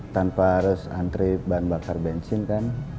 tanpa harus antre bahan bakar bensin kan